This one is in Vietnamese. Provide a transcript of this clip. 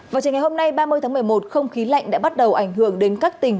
vào trường ngày hôm nay ba mươi tháng một mươi một không khí lạnh đã bắt đầu ảnh hưởng đến các tỉnh